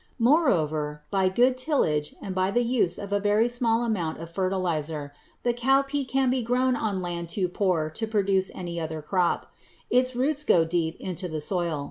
Moreover, by good tillage and by the use of a very small amount of fertilizer, the cowpea can be grown on land too poor to produce any other crop. Its roots go deep into the soil.